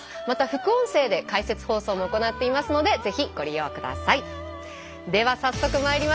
また副音声で解説放送も行っていますのでぜひご利用ください。